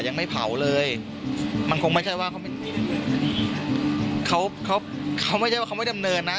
ยังไม่เผาเลยมันคงไม่ใช่ว่าเขาเป็นเขาเขาไม่ใช่ว่าเขาไม่ดำเนินนะ